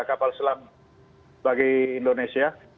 kapal selam bagi indonesia